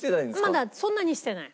まだそんなにしてない。